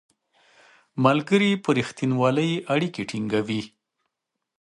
ملګري په رښتینولۍ اړیکې ټینګوي